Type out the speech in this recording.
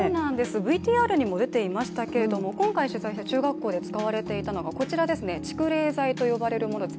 ＶＴＲにも出ていましたが、今回取材した中学校に使われていたのがこちらですね、蓄冷材と呼ばれるものです。